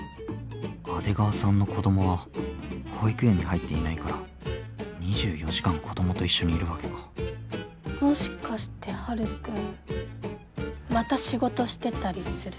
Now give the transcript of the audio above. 阿出川さんの子供は保育園に入っていないから２４時間子供と一緒にいるわけかもしかしてはるくんまた仕事してたりする？